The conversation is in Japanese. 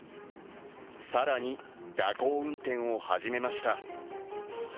更に蛇行運転を始めました。